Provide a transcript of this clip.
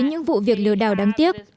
những vụ việc lừa đảo đáng tiếc